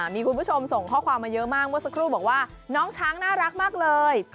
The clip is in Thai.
มีคุณผู้ชมส่งข้อความมาเยอะมากเมื่อสักครู่บอกว่าน้องช้างน่ารักมากเลย